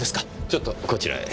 ちょっとこちらへ。